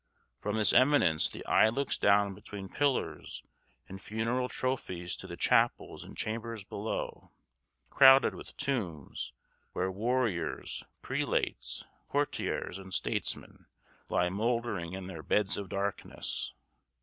From this eminence the eye looks down between pillars and funeral trophies to the chapels and chambers below, crowded with tombs, where warriors, prelates, courtiers, and statesmen lie mouldering in their "beds of darkness."